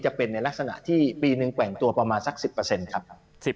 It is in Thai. จะเป็นในลักษณะที่ปีหนึ่งแกว่งตัวประมาณสัก๑๐ครับ